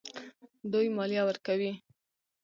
دوی مالیه ورکوي.